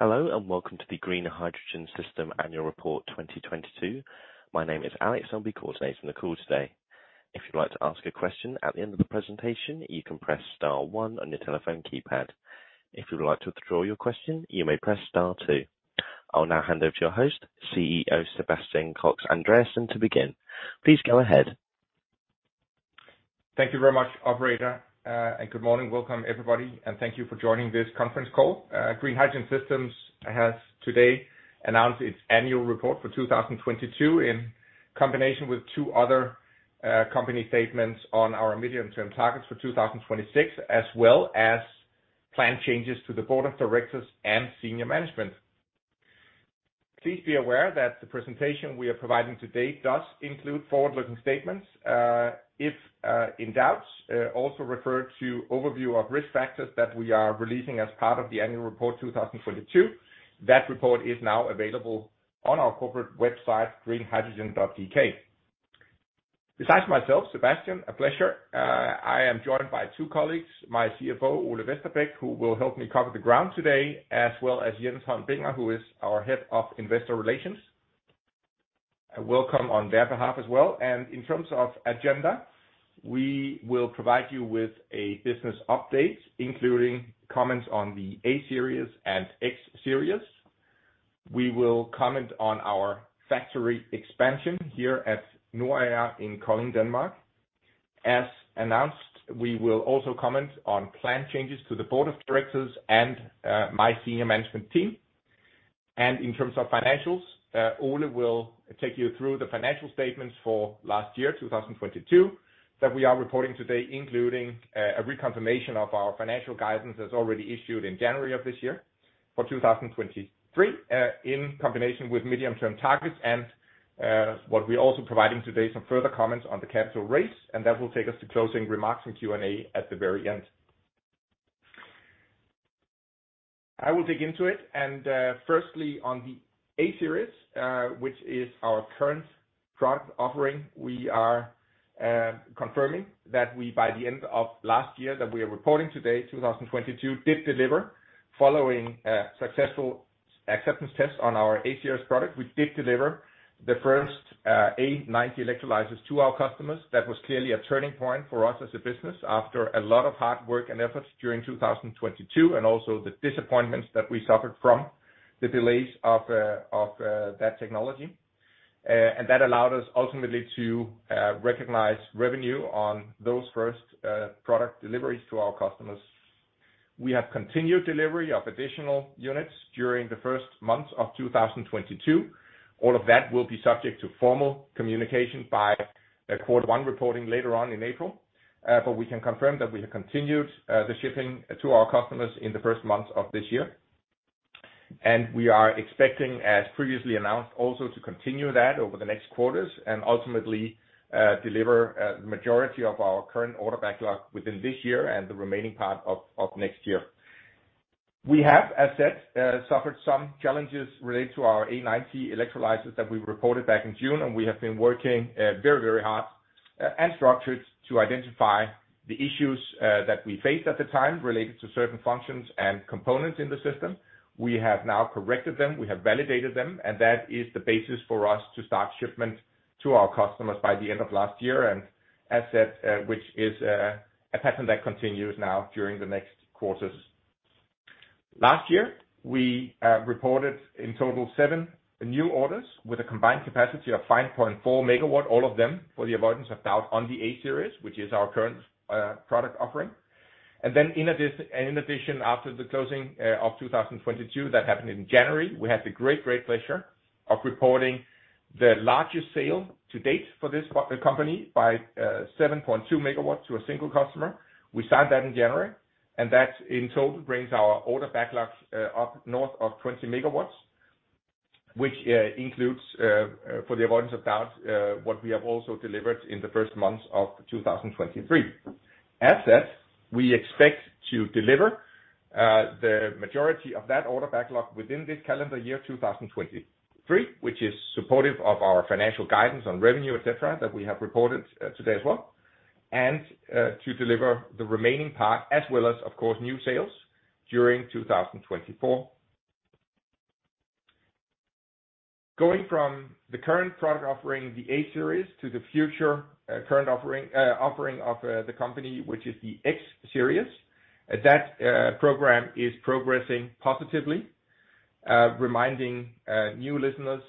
Hello, and Welcome to the Green Hydrogen Systems Annual Report 2022. My name is Alex. I'll be coordinating the call today. If you'd like to ask a question at the end of the presentation, you can press star one on your telephone keypad. If you would like to withdraw your question, you may press star two. I'll now hand over to your host, CEO Sebastian Koks Andreassen to begin. Please go ahead. Thank you very much, operator. Good morning. Welcome, everybody, and thank you for joining this conference call. Green Hydrogen Systems has today announced its annual report for 2022 in combination with two other, company statements on our medium-term targets for 2026, as well as planned changes to the Board of Directors and senior management. Please be aware that the presentation we are providing today does include forward-looking statements. If, in doubt, also refer to overview of risk factors that we are releasing as part of the annual report 2022. That report is now available on our corporate website, greenhydrogen.dk. Besides myself, Sebastian, a pleasure, I am joined by two colleagues, my CFO, Ole Vesterbæk, who will help me cover the ground today, as well as Jens Holm Binger, who is our Head of Investor Relations. Welcome on their behalf as well. In terms of agenda, we will provide you with a business update, including comments on the A-series and X-series. We will comment on our factory expansion here at Nordager in Kolding, Denmark. As announced, we will also comment on planned changes to the Board of Directors and my senior management team. In terms of financials, Ole will take you through the financial statements for last year, 2022, that we are reporting today, including a reconfirmation of our financial guidance as already issued in January of this year for 2023, in combination with medium-term targets and what we're also providing today, some further comments on the capital raise, and that will take us to closing remarks and Q&A at the very end. I will dig into it. Firstly, on the A-series, which is our current product offering, we are confirming that we, by the end of last year, that we are reporting today, 2022, did deliver following successful acceptance tests on our A-series product. We did deliver the first A90 electrolyzers to our customers. That was clearly a turning point for us as a business after a lot of hard work and efforts during 2022, and also the disappointments that we suffered from the delays of that technology. That allowed us ultimately to recognize revenue on those first product deliveries to our customers. We have continued delivery of additional units during the first months of 2022. All of that will be subject to formal communication by the quarter one reporting later on in April. We can confirm that we have continued the shipping to our customers in the first months of this year. We are expecting, as previously announced, also to continue that over the next quarters and ultimately deliver a majority of our current order backlog within this year and the remaining part of next year. We have, as said, suffered some challenges related to our A90 electrolyzers that we reported back in June, and we have been working very, very hard and structured to identify the issues that we faced at the time related to certain functions and components in the system. We have now corrected them, we have validated them, and that is the basis for us to start shipment to our customers by the end of last year as said, which is a pattern that continues now during the next quarters. Last year, we reported in total seven new orders with a combined capacity of 5.4 MW, all of them, for the avoidance of doubt, on the A-series, which is our current product offering. In addition, after the closing of 2022, that happened in January, we had the great pleasure of reporting the largest sale to date for this company by 7.2 MW to a single customer. We signed that in January, that in total brings our order backlog up north of 20 MW, which includes, for the avoidance of doubt, what we have also delivered in the first months of 2023. As said, we expect to deliver the majority of that order backlog within this calendar year, 2023, which is supportive of our financial guidance on revenue, et cetera, that we have reported today as well. To deliver the remaining part as well as, of course, new sales during 2024. Going from the current product offering, the A-series, to the future current offering of the company, which is the X-series, that program is progressing positively. Reminding new listeners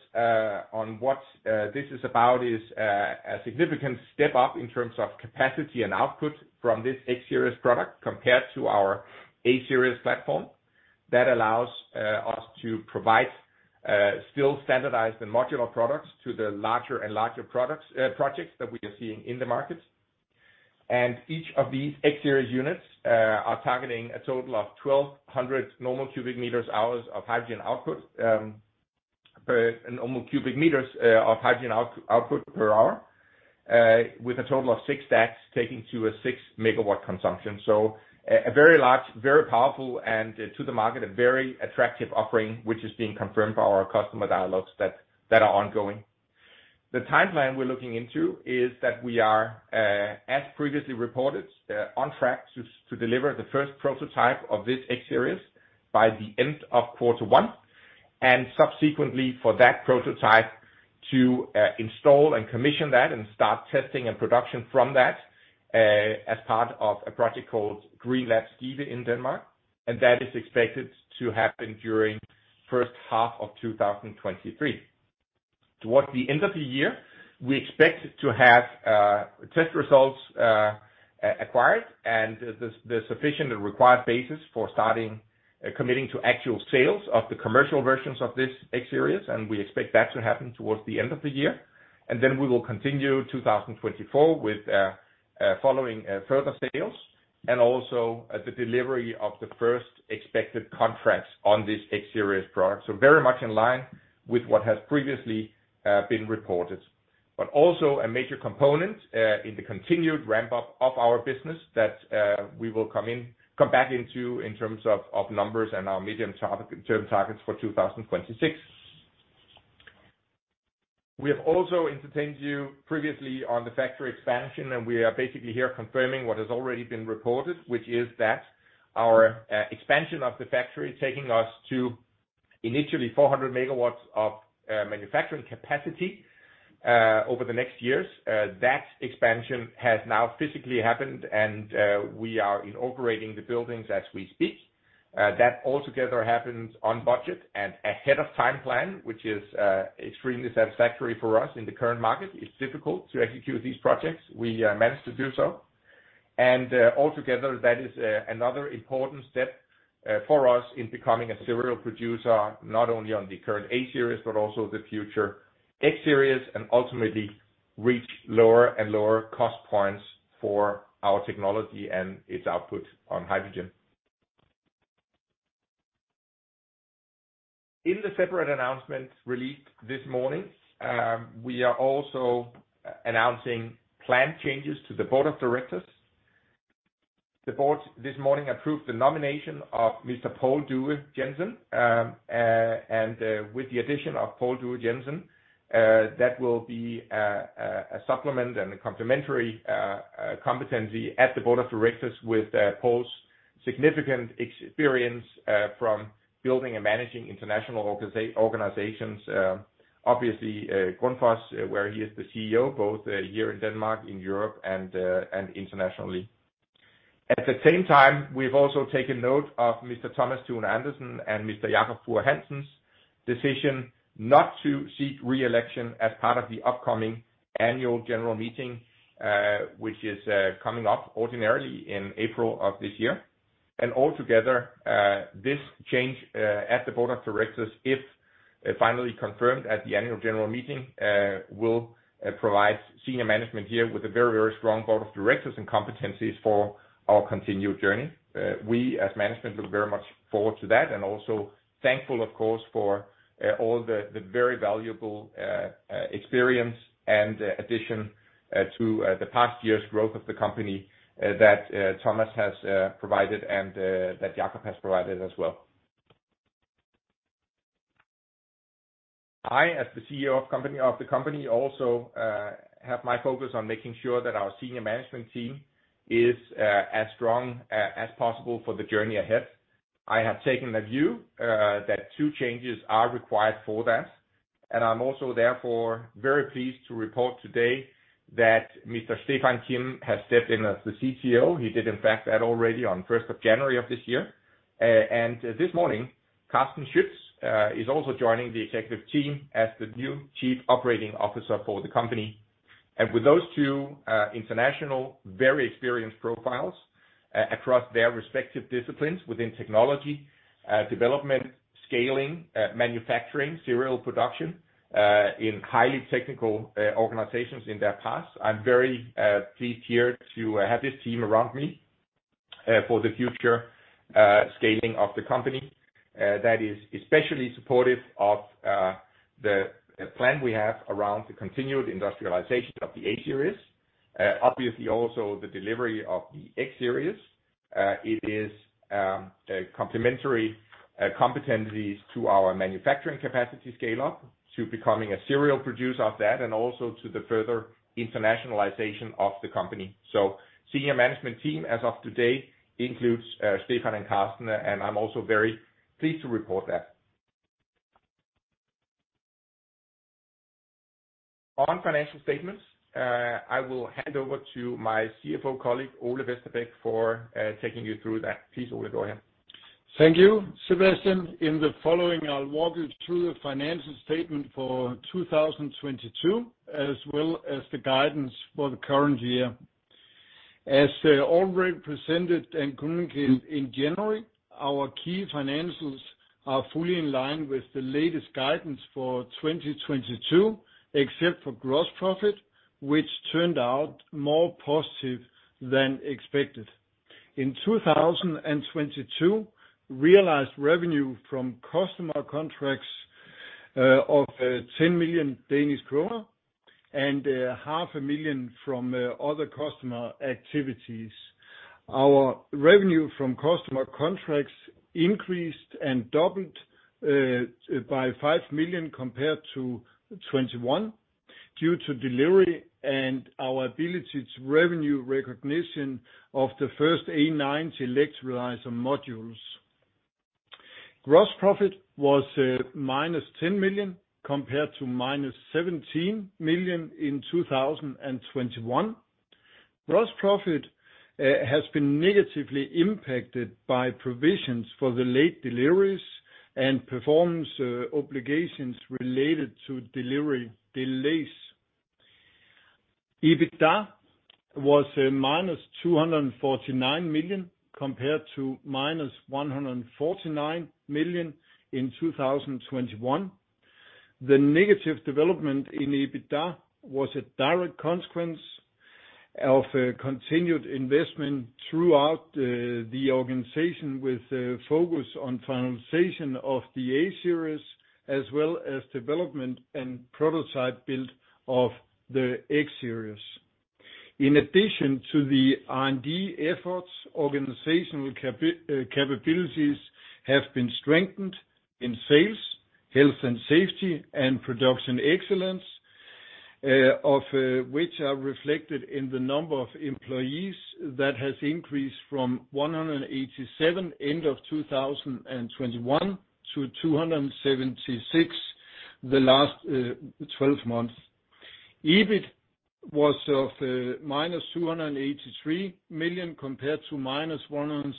on what this is about is a significant step up in terms of capacity and output from this X-series product compared to our A-series platform. That allows us to provide still standardized and modular products to the larger and larger projects that we are seeing in the market. Each of these X-series units are targeting a total of 1,200 normal cubic meters of hydrogen output per hour with a total of six stacks taking to a 6 MW consumption. A very large, very powerful and to the market, a very attractive offering, which is being confirmed by our customer dialogues that are ongoing. The timeline we're looking into is that we are as previously reported on track to deliver the first prototype of this X-series by the end of Q1, and subsequently for that prototype to install and commission that and start testing and production from that as part of a project called GreenLab Skive in Denmark. That is expected to happen during first half of 2023. Towards the end of the year, we expect to have test results acquired and the sufficient and required basis for starting committing to actual sales of the commercial versions of this X-series, and we expect that to happen towards the end of the year. We will continue 2024 with following further sales and also the delivery of the first expected contracts on this X-series product. Very much in line with what has previously been reported. A major component in the continued ramp-up of our business that we will come back into in terms of numbers and our medium term targets for 2026. We have also entertained you previously on the factory expansion, and we are basically here confirming what has already been reported, which is that our expansion of the factory is taking us to initially 400 MW of manufacturing capacity over the next years. That expansion has now physically happened and we are inaugurating the buildings as we speak. That all together happens on budget and ahead of time plan, which is extremely satisfactory for us in the current market. It's difficult to execute these projects. We managed to do so. All together, that is another important step for us in becoming a serial producer, not only on the current A-series but also the future X-series, and ultimately reach lower and lower cost points for our technology and its output on hydrogen. In the separate announcement released this morning, we are also announcing plan changes to the Board of Directors. The board this morning approved the nomination of Mr. Poul Due Jensen, with the addition of Poul Due Jensen, that will be a supplement and a complementary competency at the Board of Directors with Poul's significant experience from building and managing international organizations, obviously, Grundfos, where he is the CEO, both here in Denmark, in Europe and internationally. At the same time, we've also taken note of Mr. Thomas Thune Andersen and Mr. Jakob Faurholt Hansen's decision not to seek re-election as part of the upcoming annual general meeting, which is coming up ordinarily in April of this year. All together, this change at the Board of Directors, if finally confirmed at the annual general meeting, will provide senior management here with a very, very strong Board of Directors and competencies for our continued journey. We, as management, look very much forward to that and also thankful, of course, for all the very valuable experience and addition to the past year's growth of the company, that Thomas has provided and that Jakob has provided as well. I, as the CEO of the company, also have my focus on making sure that our senior management team is as strong as possible for the journey ahead. I have taken the view that two changes are required for that, and I'm also therefore very pleased to report today that Mr. Stefan Kim has stepped in as the CTO. He did, in fact, that already on 1 January 2022 of this year. This morning, Carsten Schütz is also joining the executive team as the new Chief Operating Officer for the company. With those two, international, very experienced profiles across their respective disciplines within technology, development, scaling, manufacturing, serial production, in highly technical organizations in their past, I'm very pleased here to have this team around me for the future scaling of the company. That is especially supportive of the plan we have around the continued industrialization of the A-series, obviously also the delivery of the X-series. It is complementary competencies to our manufacturing capacity scale-up to becoming a serial producer of that and also to the further internationalization of the company. Senior management team as of today includes, Stefan and Carsten, and I'm also very pleased to report that. On financial statements, I will hand over to my CFO colleague, Ole Vesterbæk, for taking you through that. Please, Ole, go ahead. Thank you, Sebastian. In the following, I'll walk you through the financial statement for 2022 as well as the guidance for the current year. Already presented and communicated in January, our key financials are fully in line with the latest guidance for 2022, except for gross profit, which turned out more positive than expected. In 2022, realized revenue from customer contracts of 10 million Danish kroner and 0.5 million from other customer activities. Our revenue from customer contracts increased and doubled by 5 million compared to 2021 due to delivery and our ability to revenue recognition of the first A90 electrolyzer modules. Gross profit was minus 10 million compared to -17 million in 2021. Gross profit has been negatively impacted by provisions for the late deliveries and performance obligations related to delivery delays. EBITDA was minus 249 million compared to -149 million in 2021. The negative development in EBITDA was a direct consequence of continued investment throughout the organization with a focus on finalization of the A-series as well as development and prototype build of the X-series. In addition to the R&D efforts, organizational capabilities have been strengthened in sales, health and safety, and production excellence, which are reflected in the number of employees that has increased from 187 end of 2021 to 276 the last 12 months. EBIT was of -283 million compared to -166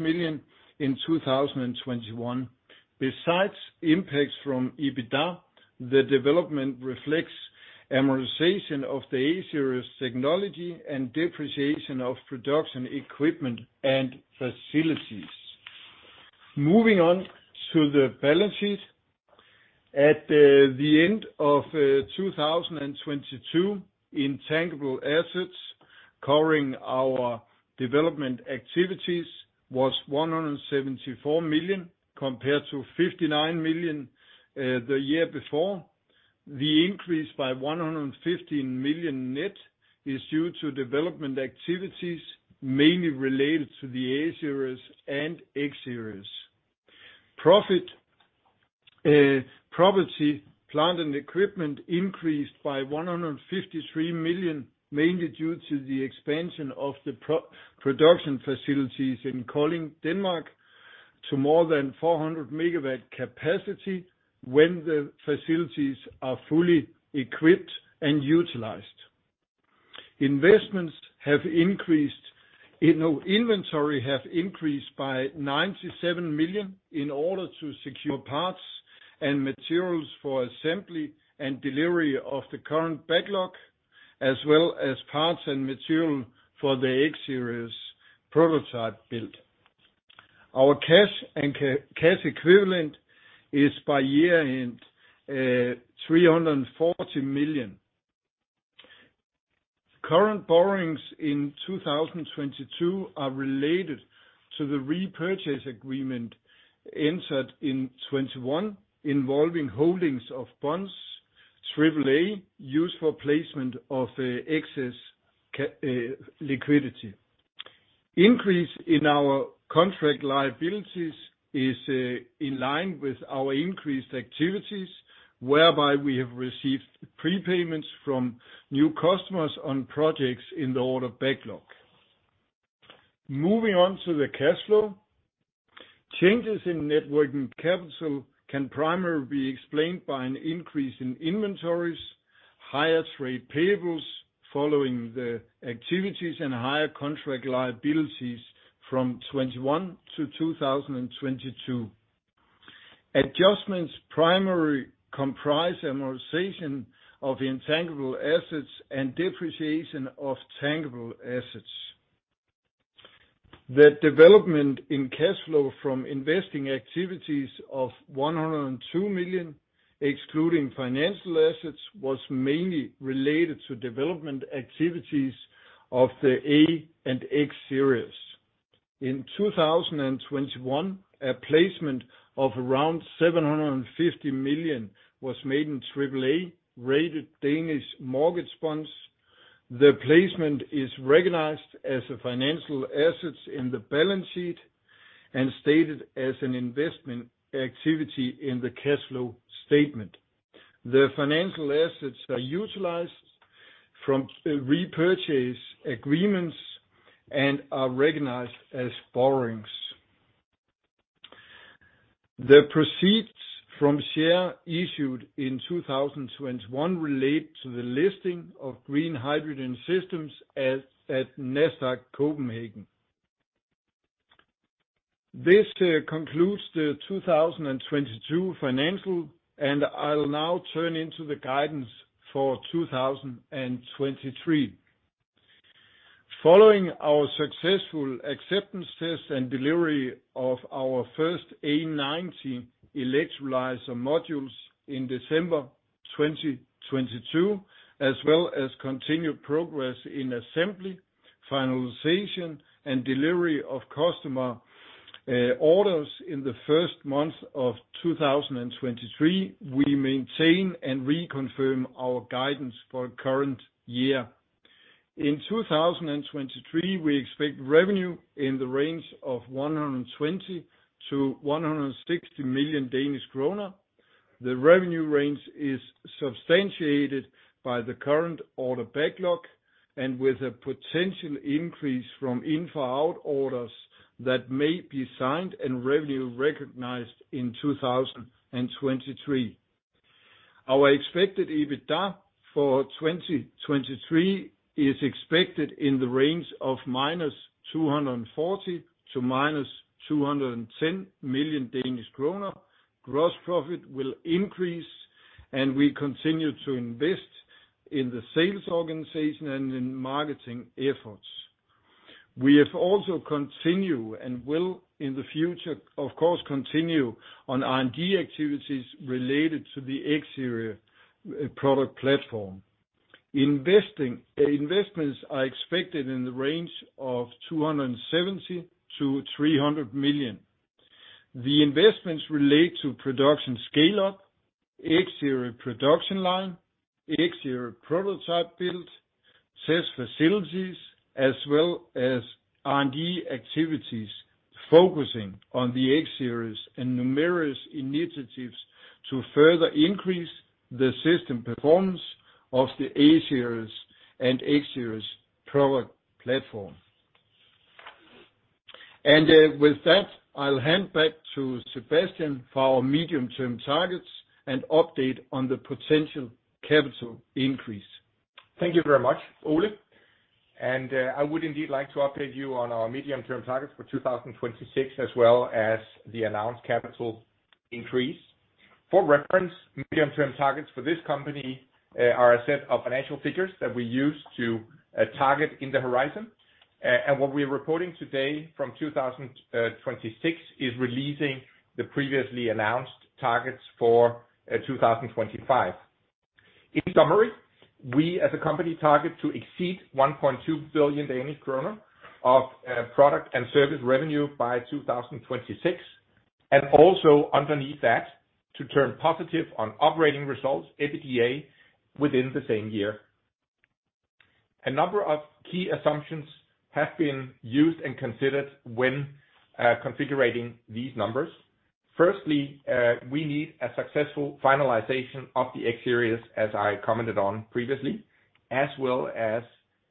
million in 2021. Besides impacts from EBITDA, the development reflects amortization of the A-series technology and depreciation of production equipment and facilities. Moving on to the balance sheet. At the end of 2022, intangible assets covering our development activities was 174 million compared to 59 million the year before. The increase by 115 million net is due to development activities mainly related to the A-series and X-series. Profit, property, plant, and equipment increased by 153 million, mainly due to the expansion of the production facilities in Kolding, Denmark, to more than 400 MW capacity when the facilities are fully equipped and utilized. Investments have increased. You know, inventory have increased by 97 million in order to secure parts and materials for assembly and delivery of the current backlog, as well as parts and material for the X-series prototype build. Our cash and cash equivalent is by year-end, DKK 340 million. Current borrowings in 2022 are related to the repurchase agreement entered in 2021, involving holdings of bonds, AAA, used for placement of excess liquidity. Increase in our contract liabilities is in line with our increased activities, whereby we have received prepayments from new customers on projects in the order backlog. Moving on to the cash flow. Changes in net working capital can primarily be explained by an increase in inventories, higher trade payables following the activities, and higher contract liabilities from 2021 to 2022. Adjustments primarily comprise amortization of intangible assets and depreciation of tangible assets. The development in cash flow from investing activities of 102 million, excluding financial assets, was mainly related to development activities of the A-series and X-series. In 2021, a placement of around 750 million was made in AAA-rated Danish mortgage bonds. The placement is recognized as a financial assets in the balance sheet and stated as an investment activity in the cash flow statement. The financial assets are utilized from repurchase agreements and are recognized as borrowings. The proceeds from share issued in 2021 relate to the listing of Green Hydrogen Systems at Nasdaq Copenhagen. This concludes the 2022 financial, and I'll now turn into the guidance for 2023. Following our successful acceptance test and delivery of our first A-90 electrolyzer modules in December 2022, as well as continued progress in assembly, finalization, and delivery of customer orders in the first month of 2023, we maintain and reconfirm our guidance for current year. In 2023, we expect revenue in the range of 120 million-160 million Danish kroner. The revenue range is substantiated by the current order backlog and with a potential increase from info out orders that may be signed and revenue recognized in 2023. Our expected EBITDA for 2023 is expected in the range of -240 million to -210 million Danish kroner. Gross profit will increase, and we continue to invest in the sales organization and in marketing efforts. We have also continued and will in the future, of course, continue on R&D activities related to the X-series product platform. Investments are expected in the range of 270 million-300 million. The investments relate to production scale up, X-series production line, X-series prototype build, sales facilities, as well as R&D activities, focusing on the X-series and numerous initiatives to further increase the system performance of the A-series and X-series product platform. With that, I'll hand back to Sebastian for our medium-term targets and update on the potential capital increase. Thank you very much, Ole. I would indeed like to update you on our medium-term targets for 2026, as well as the announced capital increase. For reference, medium-term targets for this company are a set of financial figures that we use to target in the horizon. What we're reporting today from 2026 is releasing the previously announced targets for 2025. In summary, we as a company target to exceed 1.2 billion Danish kroner of product and service revenue by 2026, and also underneath that, to turn positive on operating results, EBITDA, within the same year. A number of key assumptions have been used and considered when configuring these numbers. We need a successful finalization of the X-series, as I commented on previously, as well as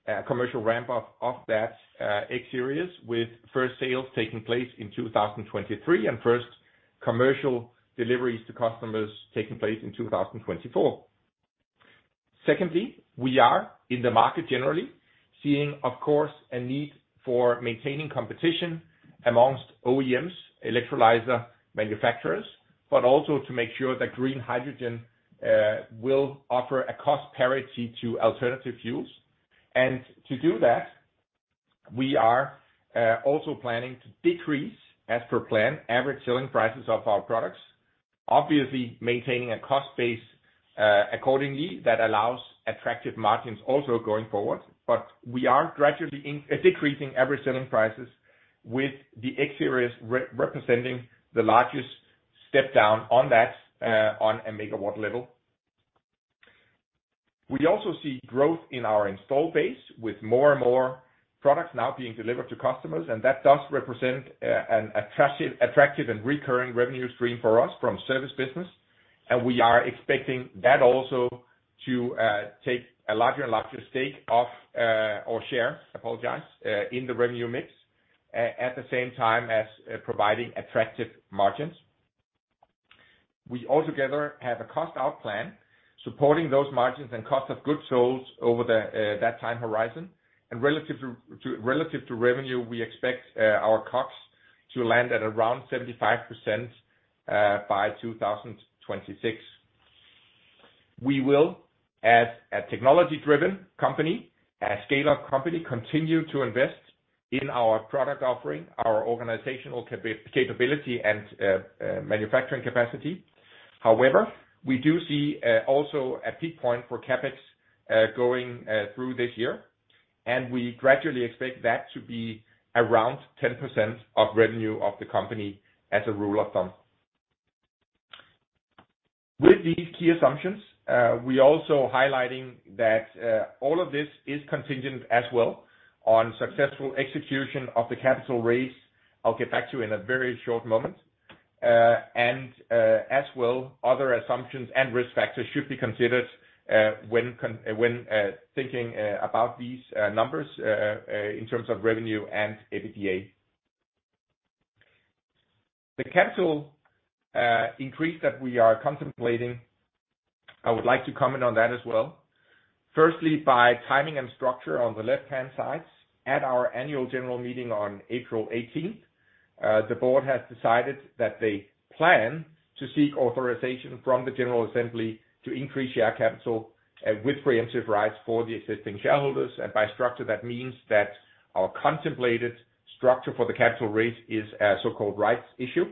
a commercial ramp up of that X-series, with first sales taking place in 2023 and first commercial deliveries to customers taking place in 2024. We are in the market generally seeing, of course, a need for maintaining competition amongst OEMs, electrolyzer manufacturers, but also to make sure that green hydrogen will offer a cost parity to alternative fuels. To do that, we are also planning to decrease, as per plan, average selling prices of our products, obviously maintaining a cost base accordingly that allows attractive margins also going forward. We are gradually decreasing average selling prices with the X-series representing the largest step down on that on a megawatt level. We also see growth in our install base with more and more products now being delivered to customers. That does represent an attractive and recurring revenue stream for us from service business. We are expecting that also to take a larger and larger stake of, or share, apologize, in the revenue mix at the same time as providing attractive margins. We altogether have a cost out plan supporting those margins and cost of goods sold over that time horizon. Relative to revenue, we expect our costs to land at around 75% by 2026. We will, as a technology driven company, a scale-up company, continue to invest in our product offering, our organizational capability and manufacturing capacity. However, we do see also a peak point for CapEx going through this year, and we gradually expect that to be around 10% of revenue of the company as a rule of thumb. With these key assumptions, we also highlighting that all of this is contingent as well on successful execution of the capital raise I'll get back to you in a very short moment. As well, other assumptions and risk factors should be considered when thinking about these numbers in terms of revenue and EBITDA. The capital increase that we are contemplating, I would like to comment on that as well. Firstly, by timing and structure on the left-hand side, at our annual general meeting on 18 April 2022, the board has decided that they plan to seek authorization from the General Assembly to increase share capital with pre-emptive rights for the existing shareholders. By structure, that means that our contemplated structure for the capital raise is a so-called rights issue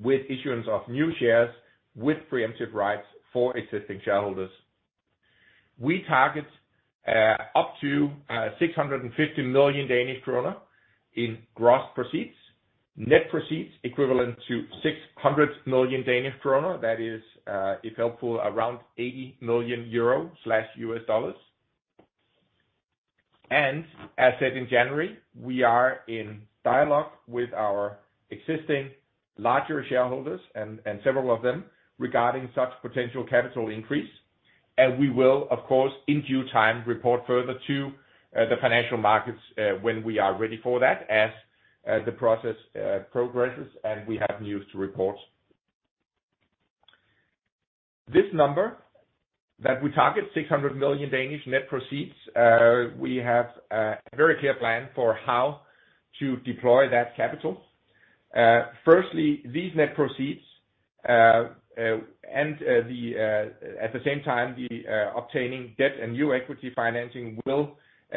with issuance of new shares with pre-emptive rights for existing shareholders. We target up to 650 million Danish krone in gross proceeds. Net proceeds equivalent to 600 million Danish krone. That is, 80 million euro/U.S. dollars. As said in January, we are in dialogue with our existing larger shareholders, and several of them, regarding such potential capital increase. We will, of course, in due time, report further to the financial markets when we are ready for that, as the process progresses, and we have news to report. This number, that we target 600 million net proceeds, we have a very clear plan for how to deploy that capital. Firstly, these net proceeds, and at the same time, the obtaining debt and new equity financing will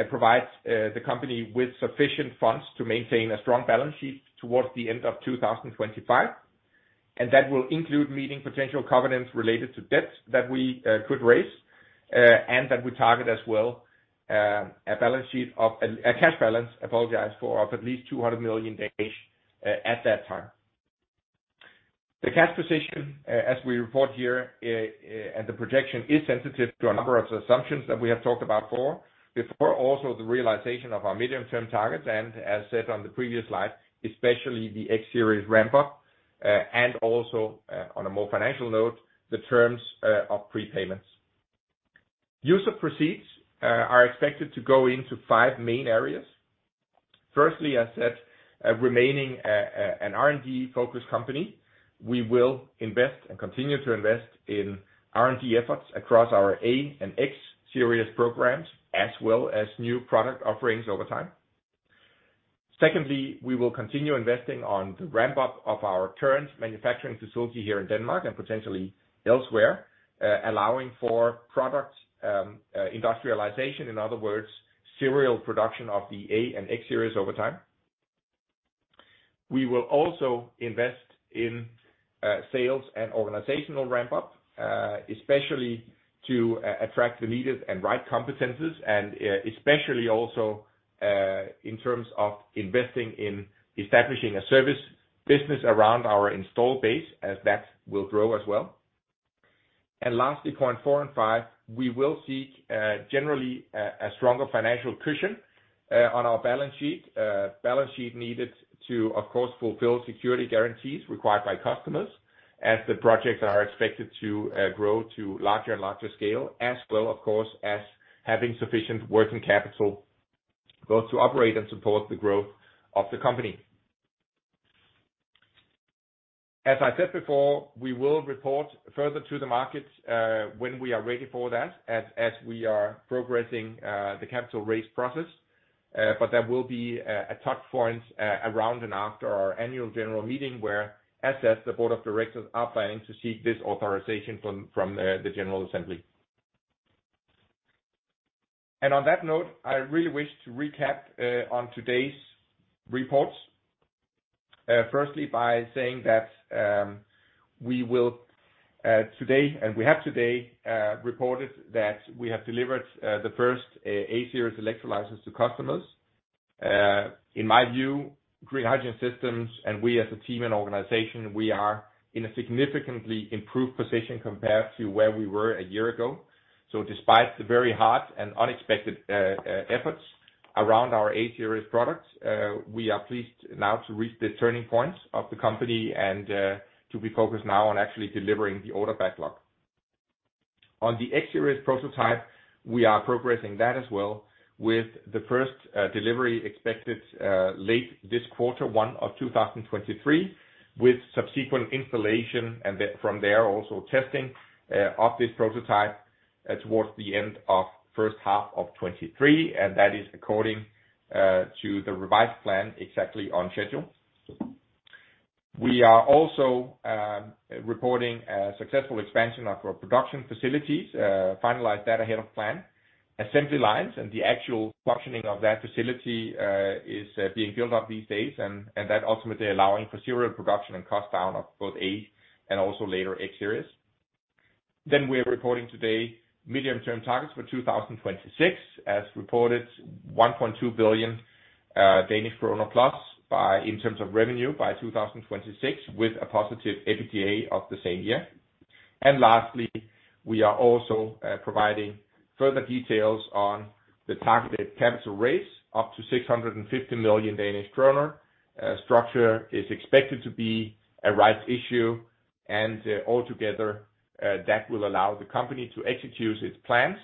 provide the company with sufficient funds to maintain a strong balance sheet towards the end of 2025. That will include meeting potential covenants related to debt that we could raise, and that we target as well, a balance sheet of a cash balance, apologize, of at least 200 million at that time. The cash position, as we report here, and the projection is sensitive to a number of assumptions that we have talked about before. Before also the realization of our medium-term targets, and as said on the previous slide, especially the X-series ramp-up, and also, on a more financial note, the terms of prepayments. Use of proceeds are expected to go into five main areas. Firstly, as said, remaining an R&D-focused company, we will invest and continue to invest in R&D efforts across our A and X-series programs, as well as new product offerings over time. Secondly, we will continue investing on the ramp-up of our current manufacturing facility here in Denmark and potentially elsewhere, allowing for product industrialization. In other words, serial production of the A and X-series over time. We will also invest in sales and organizational ramp-up, especially to attract the needed and right competencies, and especially also in terms of investing in establishing a service business around our install base, as that will grow as well. Lastly, point four and five, we will seek generally a stronger financial cushion on our balance sheet. Balance sheet needed to, of course, fulfill security guarantees required by customers as the projects are expected to grow to larger and larger scale. As well, of course, as having sufficient working capital, both to operate and support the growth of the company. As I said before, we will report further to the markets when we are ready for that, as we are progressing the capital raise process. There will be a touchpoint around and after our annual general meeting where, as said, the Board of Directors are planning to seek this authorization from the general assembly. On that note, I really wish to recap on today's reports. Firstly by saying that we will today, and we have today, reported that we have delivered the first A-series electrolyzers to customers. In my view, Green Hydrogen Systems, and we as a team and organization, we are in a significantly improved position compared to where we were a year ago. Despite the very hard and unexpected efforts around our A-series products, we are pleased now to reach the turning point of the company and to be focused now on actually delivering the order backlog. On the X-series prototype, we are progressing that as well with the first delivery expected late this Q1 of 2023, with subsequent installation, from there, also testing of this prototype towards the end of first half of 2023, and that is according to the revised plan exactly on schedule. We are also reporting a successful expansion of our production facilities. Finalize that ahead of plan. Assembly lines and the actual functioning of that facility is being built up these days and that ultimately allowing for serial production and cost down of both A and also later X-series. We are reporting today medium-term targets for 2026. As reported, 1.2 billion plus by, in terms of revenue, by 2026, with a positive EBITDA of the same year. Lastly, we are also providing further details on the targeted capital raise, up to 650 million Danish kroner. Structure is expected to be a rights issue, and altogether, that will allow the company to execute its plans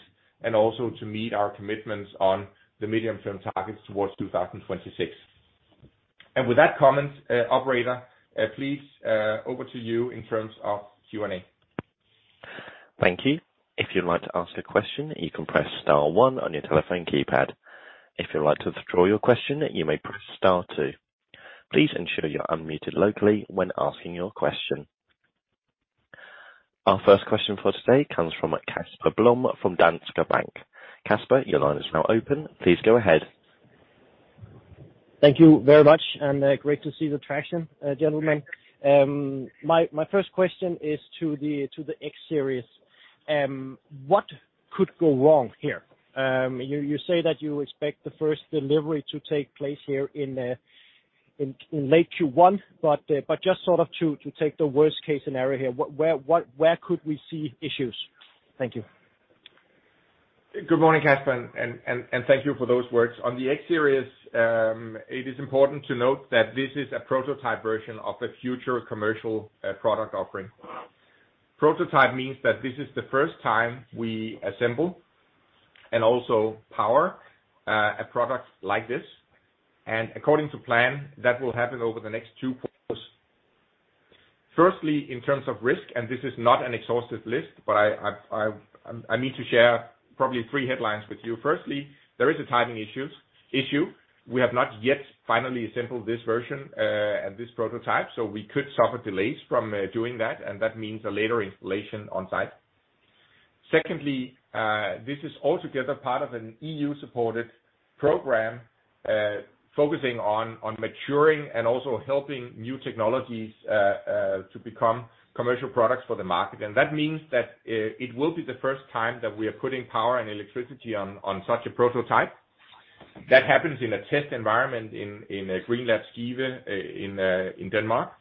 and also to meet our commitments on the medium-term targets towards 2026. With that comment, operator, please, over to you in terms of Q&A. Thank you. If you'd like to ask a question, you can press star one on your telephone keypad. If you'd like to withdraw your question, you may press star two. Please ensure you're unmuted locally when asking your question. Our first question for today comes from Casper Blom from Danske Bank. Casper, your line is now open. Please go ahead. Thank you very much. Great to see the traction, gentlemen. My first question is to the X-series. What could go wrong here? You say that you expect the first delivery to take place here in late Q1, but just sort of to take the worst case scenario here, where could we see issues? Thank you. Good morning, Casper, and thank you for those words. On the X-series, it is important to note that this is a prototype version of a future commercial product offering. Prototype means that this is the first time we assemble and also power a product like this, according to plan, that will happen over the next two quarters. Firstly, in terms of risk, this is not an exhaustive list, but I need to share probably three headlines with you. Firstly, there is a timing issue. We have not yet finally assembled this version and this prototype, so we could suffer delays from doing that, and that means a later installation on site. Secondly, this is all together part of an EU-supported program, focusing on maturing and also helping new technologies to become commercial products for the market. That means that it will be the first time that we are putting power and electricity on such a prototype. That happens in a test environment in GreenLab Skive in Denmark.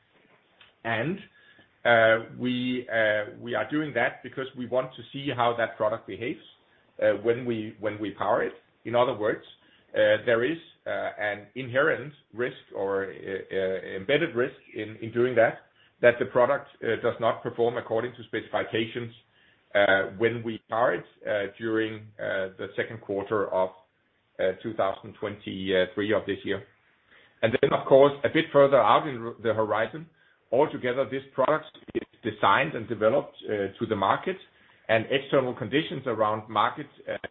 We are doing that because we want to see how that product behaves when we power it. In other words, there is an inherent risk or embedded risk in doing that the product does not perform according to specifications when we power it during the Q2 of 2023 of this year. Then, of course, a bit further out in the horizon, all together, this product is designed and developed to the market, and external conditions around market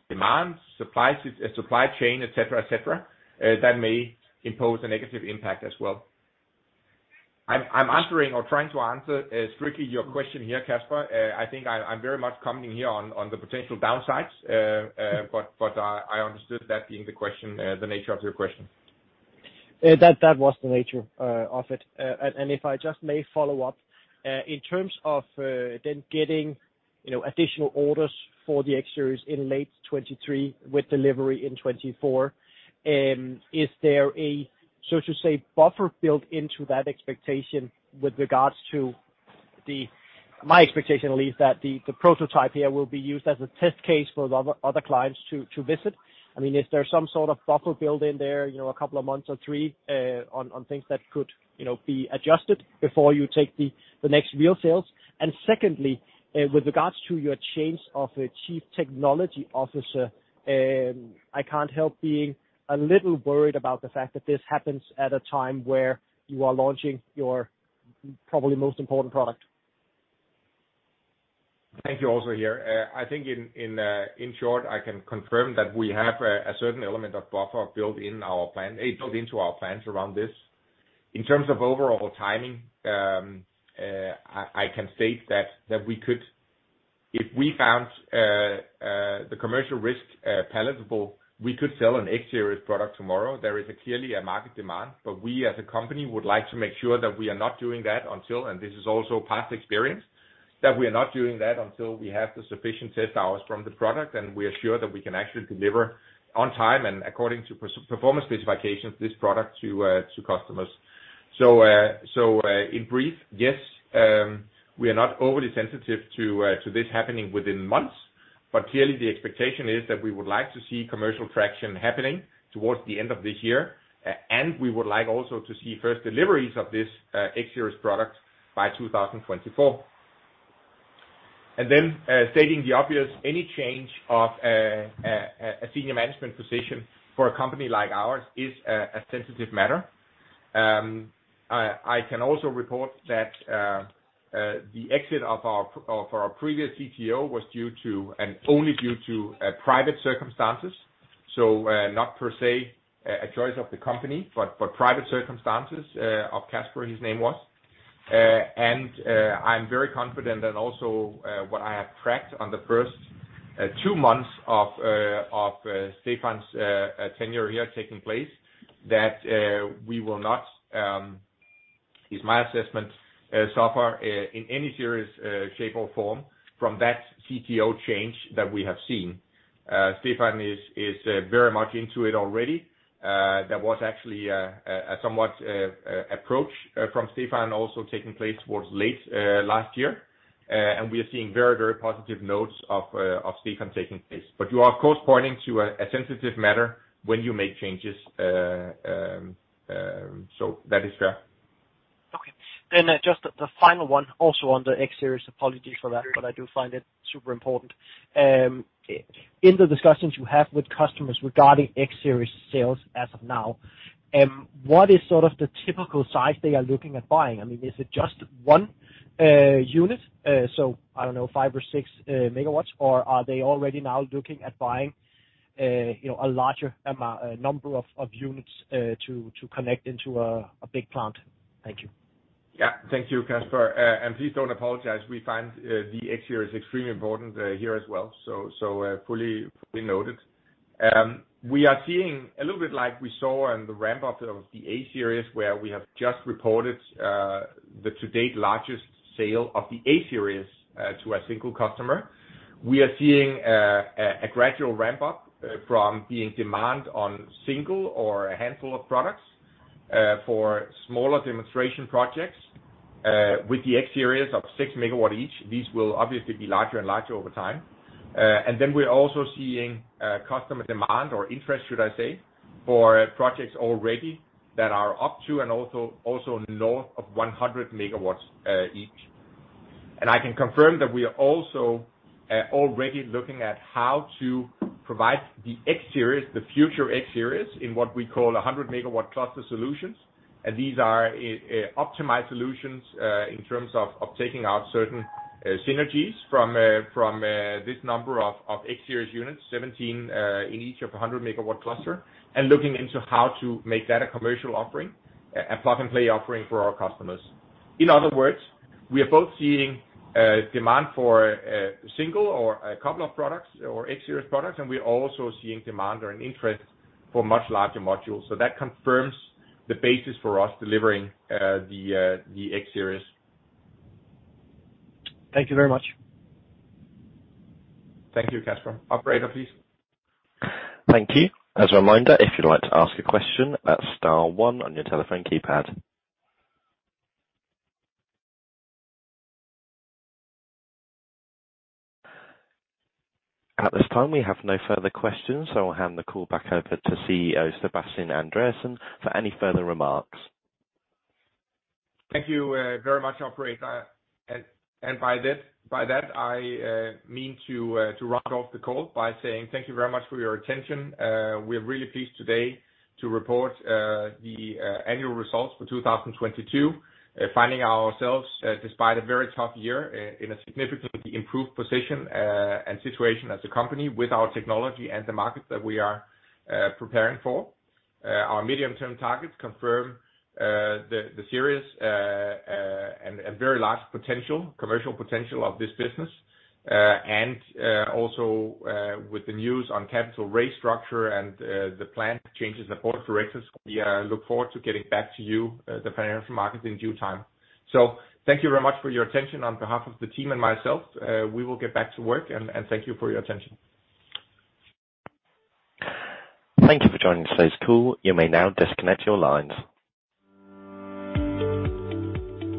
demands, supplies, supply chain, et cetera, et cetera, that may impose a negative impact as well. I'm answering or trying to answer strictly your question here, Casper. I think I'm very much commenting here on the potential downsides, but I understood that being the question, the nature of your question. That was the nature of it. If I just may follow up, in terms of then getting, you know, additional orders for the X-series in late 2023 with delivery in 2024, is there a, so to say, buffer built into that expectation with regards to My expectation at least that the prototype here will be used as a test case for other clients to visit? I mean, is there some sort of buffer built in there, you know, a couple of months or three, on things that could, you know, be adjusted before you take the next real sales? Secondly, with regards to your change of a Chief Technology Officer, I can't help being a little worried about the fact that this happens at a time where you are launching your probably most important product. Thank you also here. I think in short, I can confirm that we have a certain element of buffer built into our plans around this. In terms of overall timing, I can state that we could. If we found the commercial risk palatable, we could sell an X-series product tomorrow. There is clearly a market demand. We, as a company, would like to make sure that we are not doing that until, and this is also past experience, that we are not doing that until we have the sufficient test hours from the product, and we are sure that we can actually deliver on time and according to performance specifications this product to customers. In brief, yes, we are not overly sensitive to this happening within months, but clearly the expectation is that we would like to see commercial traction happening towards the end of this year, and we would like also to see first deliveries of this X-series product by 2024. Stating the obvious, any change of a senior management position for a company like ours is a sensitive matter. I can also report that the exit of our previous CTO was due to, and only due to, private circumstances. Not per se a choice of the company, but private circumstances of Casper his name was. I'm very confident and also, what I have tracked on the first two months of Stefan's tenure here taking place, that we will not, is my assessment, so far in any serious shape or form from that CTO change that we have seen. Stefan is very much into it already. There was actually a somewhat approach from Stefan also taking place towards late last year. We are seeing very, very positive notes of Stefan taking place. You are of course pointing to a sensitive matter when you make changes. That is fair. Just the final one also on the X-series. Apologies for that, but I do find it super important. In the discussions you have with customers regarding X-series sales as of now, what is sort of the typical size they are looking at buying? I mean, is it just one unit? So I don't know, 5 MW or 6 MW, or are they already now looking at buying, you know, a larger amount, number of units to connect into a big plant? Thank you. Yeah. Thank you, Casper. Please don't apologize. We find the X-series extremely important here as well. Fully noted. We are seeing a little bit like we saw in the ramp up of the A-series, where we have just reported the to-date largest sale of the A-series to a single customer. We are seeing a gradual ramp up from the demand on single or a handful of products for smaller demonstration projects with the X-series of 6 MW each. These will obviously be larger and larger over time. Then we're also seeing customer demand or interest, should I say, for projects already that are up to and also north of 100 MW each. I can confirm that we are also already looking at how to provide the X-series, the future X-series, in what we call 100 MW cluster solutions. These are optimized solutions in terms of taking out certain synergies from from this number of X-series units, 17 in each of 100 MW cluster, and looking into how to make that a commercial offering, a plug-and-play offering for our customers. In other words, we are both seeing demand for single or a couple of products or X-series products, and we are also seeing demand or an interest for much larger modules. That confirms the basis for us delivering the X-series. Thank you very much. Thank you, Casper. Operator, please. Thank you. As a reminder, if you'd like to ask a question, that's star one on your telephone keypad. At this time, we have no further questions, so I'll hand the call back over to CEO Sebastian Andreassen for any further remarks. Thank you, very much, operator. By that, I mean to round off the call by saying thank you very much for your attention. We're really pleased today to report the annual results for 2022, finding ourselves, despite a very tough year, in a significantly improved position and situation as a company with our technology and the markets that we are preparing for. Our medium-term targets confirm the serious and very large potential, commercial potential of this business. Also, with the news on capital raise structure and the planned changes in the Board of Directors, we look forward to getting back to you, the financial markets, in due time. Thank you very much for your attention. On behalf of the team and myself, we will get back to work and thank you for your attention. Thank you for joining today's call. You may now disconnect your lines.